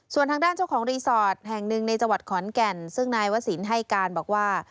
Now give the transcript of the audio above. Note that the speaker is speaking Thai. ส่วนทางด้านเจ้าของรีสอร์ทแห่งหนึ่งในจังหวัดขอนแก่นซึ่งนายวศิลป์ให้การบอกว่า